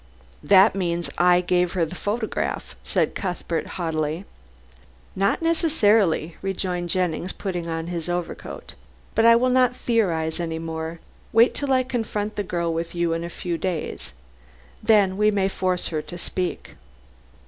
"That means, I gave her the photograph," said Cuthbert haughtily. "Not necessarily," rejoined Jennings, putting on his overcoat. "But I will not theorize any more. Wait till I confront the girl with you in a few days. Then we may force her to speak."